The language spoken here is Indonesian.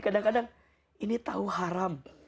kadang kadang ini tahu haram